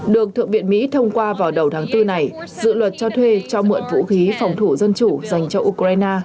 được thượng viện mỹ thông qua vào đầu tháng bốn này dự luật cho thuê cho mượn vũ khí phòng thủ dân chủ dành cho ukraine